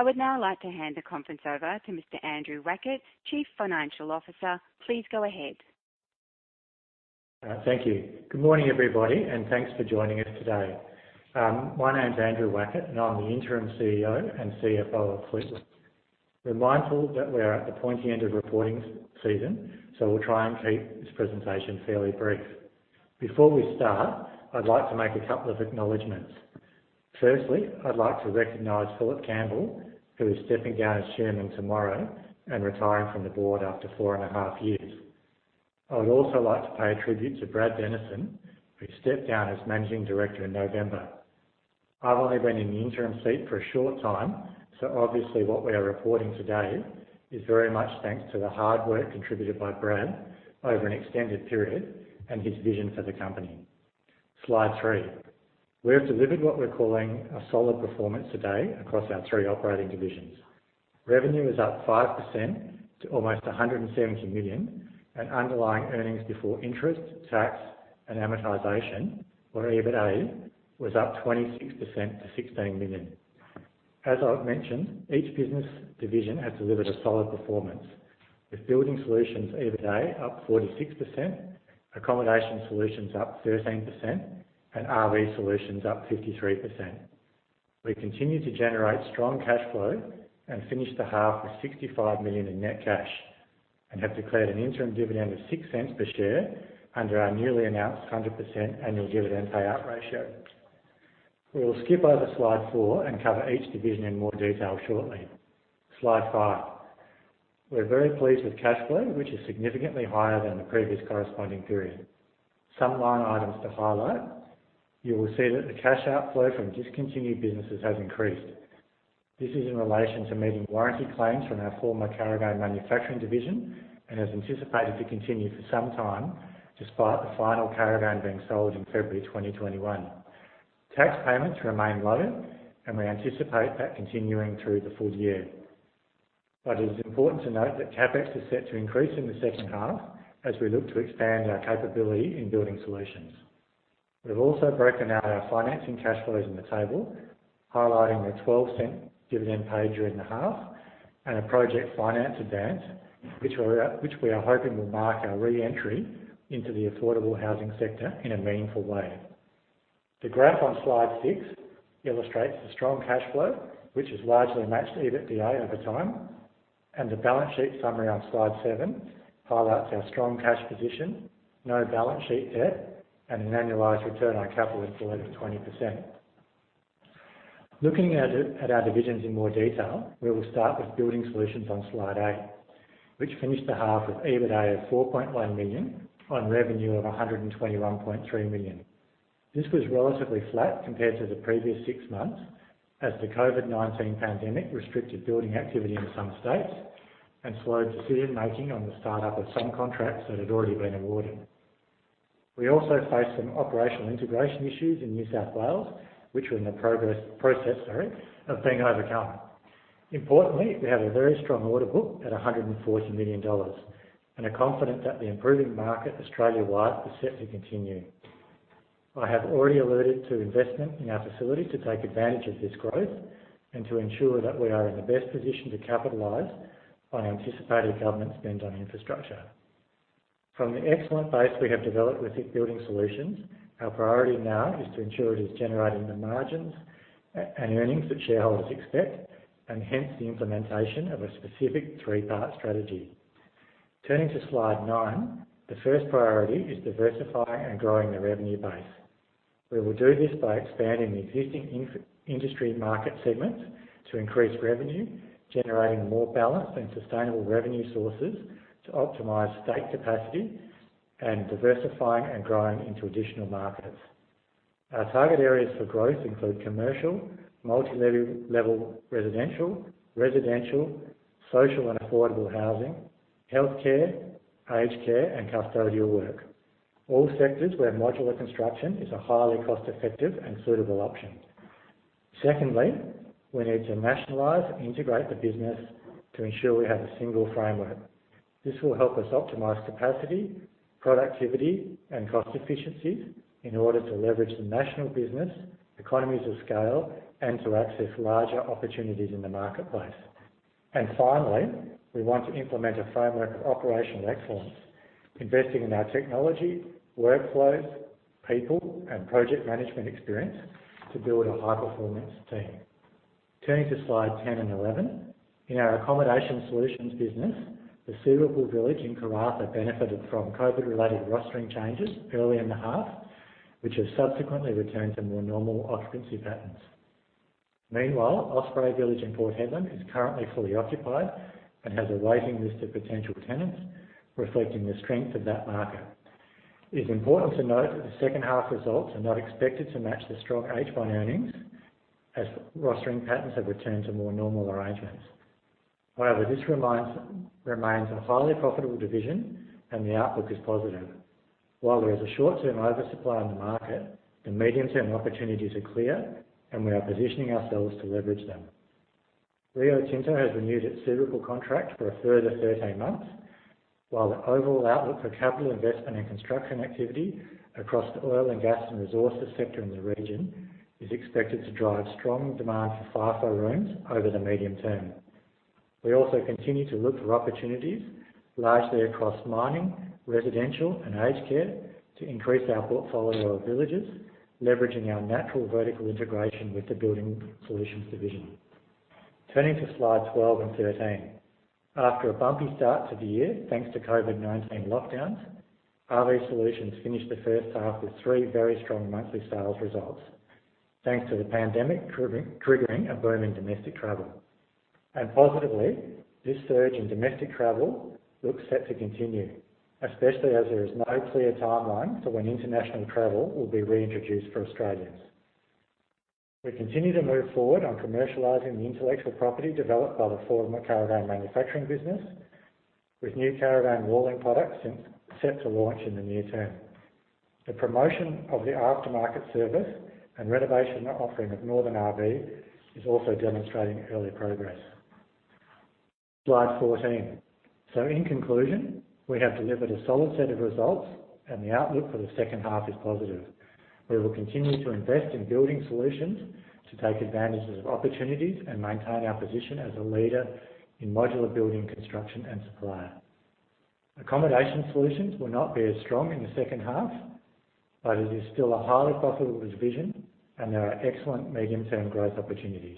I would now like to hand the conference over to Mr. Andrew Wackett, Chief Financial Officer. Please go ahead. Thank you. Good morning, everybody, thanks for joining us today. My name's Andrew Wackett, and I'm the Interim CEO and CFO of Fleetwood. We're mindful that we are at the pointy end of reporting season, we'll try and keep this presentation fairly brief. Before we start, I'd like to make a couple of acknowledgments. Firstly, I'd like to recognize Phillip Campbell, who is stepping down as Chairman tomorrow and retiring from the board after four and a half years. I would also like to pay a tribute to Brad Denison, who stepped down as Managing Director in November. I've only been in the interim seat for a short time, obviously what we are reporting today is very much thanks to the hard work contributed by Brad over an extended period, and his vision for the company. Slide three. We have delivered what we're calling a solid performance today across our three operating divisions. Revenue is up 5% to almost 170 million, underlying earnings before interest, tax, and amortization, or EBITDA, was up 26% to 16 million. As I've mentioned, each business division has delivered a solid performance, with Building Solutions' EBITDA up 46%, Accommodation Solutions up 13%, and RV Solutions up 53%. We continue to generate strong cash flow and finish the half with 65 million in net cash, have declared an interim dividend of 0.06 per share under our newly announced 100% annual dividend payout ratio. We will skip over slide four and cover each division in more detail shortly. Slide five. We're very pleased with cash flow, which is significantly higher than the previous corresponding period. Some line items to highlight. You will see that the cash outflow from discontinued businesses has increased. This is in relation to meeting warranty claims from our former caravan manufacturing division and is anticipated to continue for some time, despite the final caravan being sold in February 2021. Tax payments remain low. We anticipate that continuing through the full year. It is important to note that CapEx is set to increase in the second half as we look to expand our capability in Building Solutions. We've also broken out our financing cash flows in the table, highlighting the 0.12 dividend paid during the half and a project finance advance, which we are hoping will mark our re-entry into the affordable housing sector in a meaningful way. The graph on slide six illustrates the strong cash flow, which has largely matched EBITDA over time. The balance sheet summary on slide seven highlights our strong cash position, no balance sheet debt, and an annualized return on capital employed of 20%. Looking at our divisions in more detail, we will start with Building Solutions on slide eight, which finished the half with EBITDA of 4.1 million on revenue of 121.3 million. This was relatively flat compared to the previous six months, as the COVID-19 pandemic restricted building activity in some states and slowed decision-making on the start-up of some contracts that had already been awarded. We also faced some operational integration issues in New South Wales, which were in the process, sorry, of being overcome. Importantly, we have a very strong order book at 140 million dollars, and are confident that the improving market Australia-wide is set to continue. I have already alluded to investment in our facility to take advantage of this growth and to ensure that we are in the best position to capitalize on anticipated government spend on infrastructure. From the excellent base we have developed with Building Solutions, our priority now is to ensure it is generating the margins and earnings that shareholders expect, and hence the implementation of a specific three-part strategy. Turning to slide nine, the first priority is diversifying and growing the revenue base. We will do this by expanding the existing industry market segments to increase revenue, generating more balanced and sustainable revenue sources to optimize state capacity, and diversifying and growing into additional markets. Our target areas for growth include commercial, multi-level residential, social and affordable housing, healthcare, aged care, and custodial work, all sectors where modular construction is a highly cost-effective and suitable option. Secondly, we need to nationalize and integrate the business to ensure we have a single framework. This will help us optimize capacity, productivity, and cost efficiencies in order to leverage the national business, economies of scale, and to access larger opportunities in the marketplace. Finally, we want to implement a framework of operational excellence, investing in our technology, workflows, people, and project management experience to build a high-performance team. Turning to slide 10 and 11. In our Accommodation Solutions business, the Searipple Village in Karratha benefited from COVID-related rostering changes early in the half, which have subsequently returned to more normal occupancy patterns. Meanwhile, Osprey Village in Port Hedland is currently fully occupied and has a waiting list of potential tenants, reflecting the strength of that market. It is important to note that the second half results are not expected to match the strong H1 earnings, as rostering patterns have returned to more normal arrangements. This remains a highly profitable division, and the outlook is positive. There is a short-term oversupply in the market, the medium-term opportunities are clear, and we are positioning ourselves to leverage them. Rio Tinto has renewed its Civeo contract for a further 13 months. The overall outlook for capital investment and construction activity across the oil and gas and resources sector in the region is expected to drive strong demand for FIFO rooms over the medium term. We also continue to look for opportunities, largely across mining, residential, and aged care, to increase our portfolio of villages, leveraging our natural vertical integration with the Building Solutions division. Turning to slides 12 and 13. After a bumpy start to the year, thanks to COVID-19 lockdowns, RV Solutions finished the first half with three very strong monthly sales results, thanks to the pandemic triggering a boom in domestic travel. Positively, this surge in domestic travel looks set to continue, especially as there is no clear timeline to when international travel will be reintroduced for Australians. We continue to move forward on commercializing the intellectual property developed by the former caravan manufacturing business with new caravan walling products set to launch in the near term. The promotion of the aftermarket service and renovation offering of Northern RV is also demonstrating early progress. Slide 14. In conclusion, we have delivered a solid set of results, and the outlook for the second half is positive. We will continue to invest in Building Solutions to take advantage of opportunities and maintain our position as a leader in modular building construction and supply. Accommodation Solutions will not be as strong in the second half, but it is still a highly profitable division, and there are excellent medium-term growth opportunities.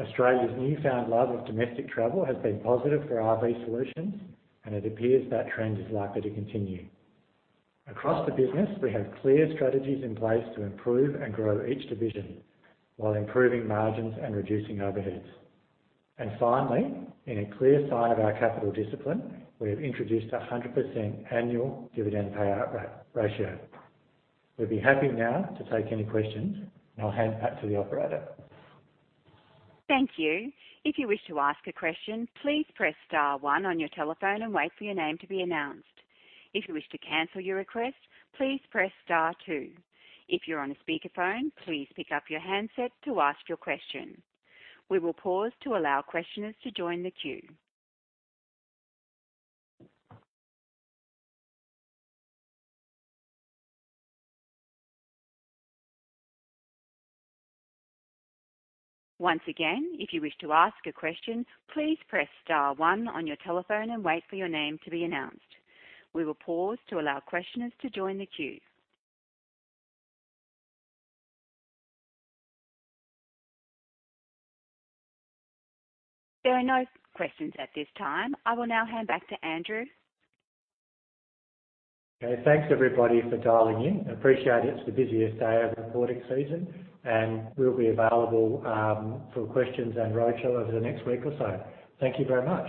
Australia's newfound love of domestic travel has been positive for RV Solutions, and it appears that trend is likely to continue. Across the business, we have clear strategies in place to improve and grow each division while improving margins and reducing overheads. Finally, in a clear sign of our capital discipline, we have introduced a 100% annual dividend payout ratio. We'd be happy now to take any questions. I'll hand back to the operator. Thank you. If you wish to ask a question, please press star one on your telephone and wait for your name to be announced. If you wish to cancel your request, please press star two. If you're on a speakerphone, please pick up your handset to ask your question. We will pause to allow questioners to join the queue. Once again, if you wish to ask a question, please press star one on your telephone and wait for your name to be announced. We will pause to allow questioners to join the queue. There are no questions at this time. I will now hand back to Andrew. Okay. Thanks everybody for dialing in. Appreciate it's the busiest day of the reporting season. We'll be available for questions and roadshow over the next week or so. Thank you very much.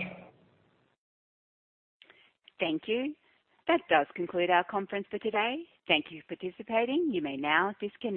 Thank you. That does conclude our conference for today. Thank you for participating. You may now disconnect.